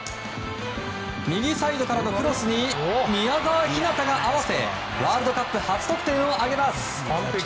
右サイドからのクロスに宮澤ひなたが合わせワールドカップ初得点を挙げます。